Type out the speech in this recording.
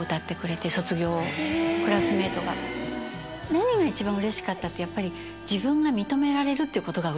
何が一番うれしかったってやっぱり。